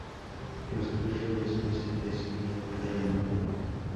Los tres reyes presentes en la batalla murieron.